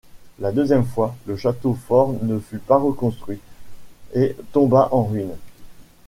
La deuxième fois, le château fort ne fut pas reconstruit et tomba en ruines.